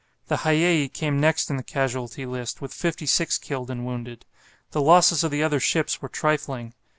The "Hiyei" came next in the casualty list, with 56 killed and wounded. The losses of the other ships were trifling.